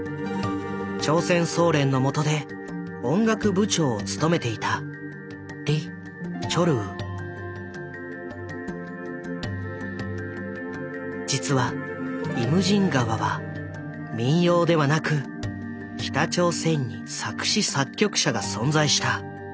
朝鮮総連のもとで音楽部長を務めていた実は「イムジン河」は民謡ではなく北朝鮮に作詞・作曲者が存在した。